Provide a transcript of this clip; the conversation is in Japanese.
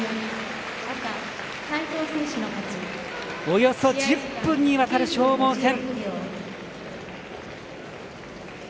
およそ１０分にわたる消耗戦。